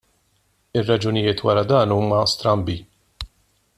Ir-raġunijiet wara dan huma strambi.